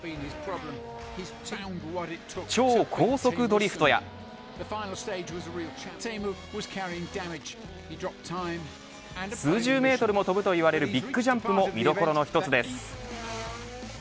超高速ドリフトや数十メートルも飛ぶといわれるビッグジャンプも見どころの１つです。